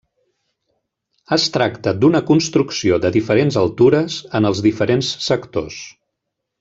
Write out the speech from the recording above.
Es tracta d'una construcció de diferents altures en els diferents sectors.